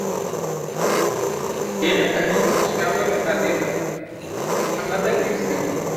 আদর্শকে এত বেশী জীবন্ত করে তুলতে ভালবাসার মত কিছুই নেই।